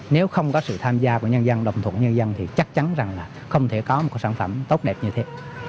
nếu không có sự tham gia của nhân dân đồng thuận nhân dân thì chắc chắn rằng là không thể có một sản phẩm tốt đẹp như thế